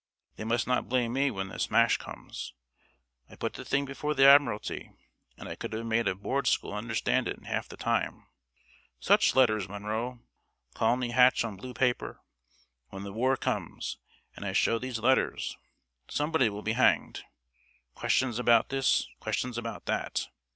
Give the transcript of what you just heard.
They must not blame me when the smash comes. I put the thing before the Admiralty, and I could have made a board school understand it in half the time. Such letters, Munro! Colney Hatch on blue paper. When the war comes, and I show those letters, somebody will be hanged. Questions about this questions about that.